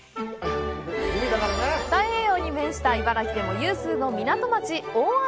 太平洋に面した茨城でも有数の港町・大洗。